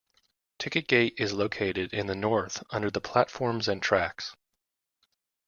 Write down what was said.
Ticket gate is located in the north under the platforms and tracks.